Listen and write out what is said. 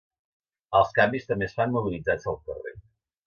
Els canvis també es fan mobilitzant-se al carrer.